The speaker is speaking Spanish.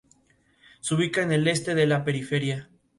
Se ubica en el este de la periferia.